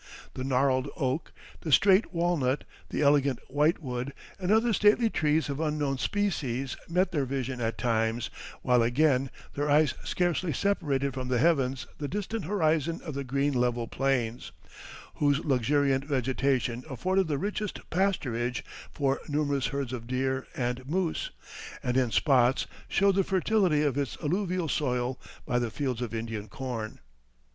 The gnarled oak, the straight walnut, the elegant whitewood, and other stately trees of unknown species met their vision at times, while again their eyes scarcely separated from the heavens the distant horizon of the green level plains, whose luxuriant vegetation afforded the richest pasturage for numerous herds of deer and moose, and in spots showed the fertility of its alluvial soil by the fields of Indian corn.